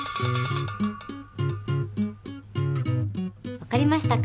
分かりましたか？